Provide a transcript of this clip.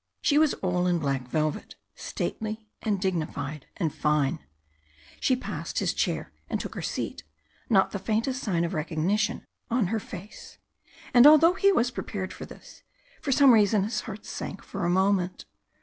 She was all in black velvet, stately and dignified and fine. She passed his chair and took her seat, not the faintest sign of recognition on her face. And although he was prepared for this, for some reason his heart sank for a moment.